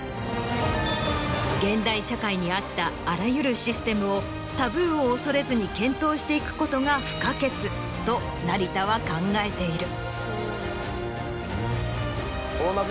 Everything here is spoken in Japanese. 現代社会に合ったあらゆるシステムをタブーを恐れずに検討していくことが不可欠と成田は考えている。